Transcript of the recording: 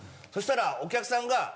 そしたらお客さんが。